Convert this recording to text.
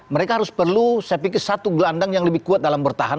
mereka harus perlu saya pikir satu gelandang yang lebih kuat dalam bertahan